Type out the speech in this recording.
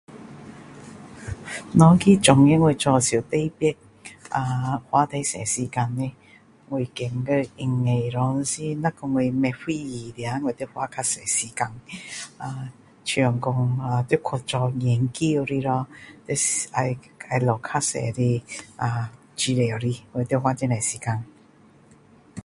哪一个创业我做时特别啊花最多时间的我觉得应该是若说我不明白的啊我要花较多时间呃…像说呃…要去做研究的咯要要找较多的啊资料我要花很多时间